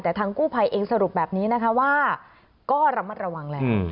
แต่ทางกู้ภัยเองสรุปแบบนี้นะคะว่าก็ระมัดระวังแล้ว